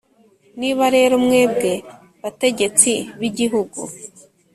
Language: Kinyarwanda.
Niba rero, mwebwe bategetsi b’igihugu,